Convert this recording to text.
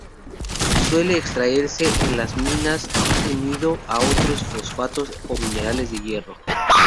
Suele extraerse en las minas unido a otros fosfatos o minerales de hierro.